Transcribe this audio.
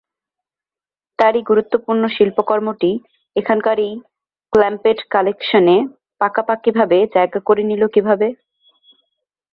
তার এই গুরুত্বপূর্ণ শিল্পকর্মটি এখানকার এই ক্ল্যাম্পেট কালেকশনে পাকাপাকিভাবে জায়গা করে নিলো কীভাবে?